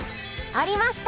ありました！